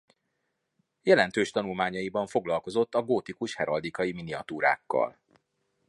Jelentős tanulmányaiban foglalkozott a gótikus heraldikai miniatúrákkal.